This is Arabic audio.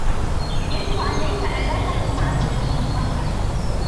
يجب عليكَ أن لا تحكم علىَ شخص من مظهرهُ.